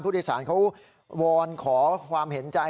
ผู้โดยสารเขาวอนขอความเห็นใจ